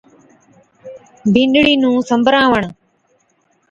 بِينڏڙِي نُون سنبراوَڻ